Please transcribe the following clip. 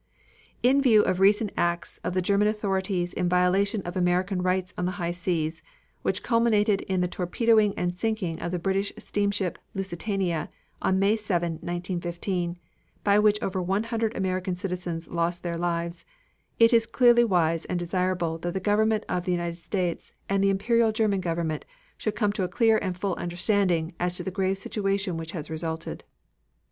In view of recent acts of the German authorities in violation of American rights on the high seas, which culminated in the torpedoing and sinking of the British steamship Lusitania on May 7, 1915, by which over 100 American citizens lost their lives, it is clearly wise and desirable that the Government of the United States and the Imperial German Government should come to a clear and full understanding as to the grave situation which has resulted.